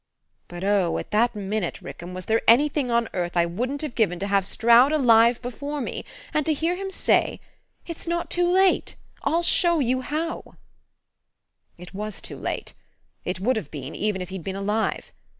But, oh, at that minute, Rickham, was there anything on earth I wouldn't have given to have Stroud alive before me, and to hear him say: 'It's not too late I'll show you how'? "It WAS too late it would have been, even if he'd been alive.